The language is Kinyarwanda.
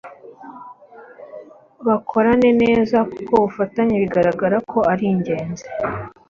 bakorane neza kuko ubufatanye bigaragara ko ari ingenzi